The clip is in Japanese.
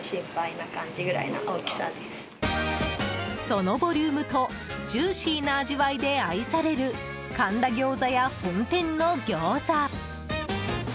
そのボリュームとジューシーな味わいで愛される神田餃子屋本店の餃子。